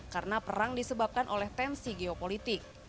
karena perang disebabkan oleh tensi geopolitik